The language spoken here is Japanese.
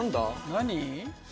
何？